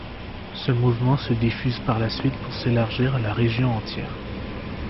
Ce mouvement se diffuse par la suite pour s’élargir à la région entière.